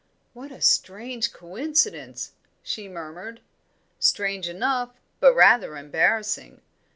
"What a strange coincidence!" she murmured. "Strange enough, but rather embarrassing.